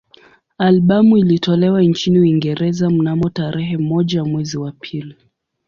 Albamu ilitolewa nchini Uingereza mnamo tarehe moja mwezi wa pili